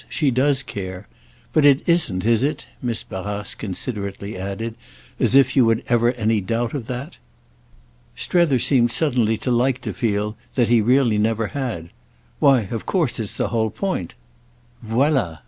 She does care. But it isn't, is it," Miss Barrace considerately added, "as if you had ever had any doubt of that?" Strether seemed suddenly to like to feel that he really never had. "Why of course it's the whole point." "Voilà!"